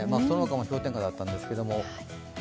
その他も氷点下だったんですけれども。